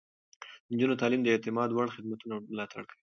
د نجونو تعليم د اعتماد وړ خدمتونه ملاتړ کوي.